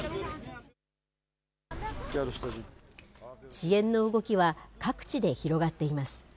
支援の動きは各地で広がっています。